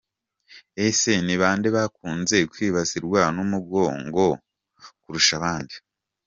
Ese ni bande bakunze kwibasirwa n’umugongo kurusha abandi?.